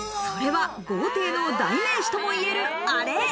それは豪邸の代名詞ともいえるアレ。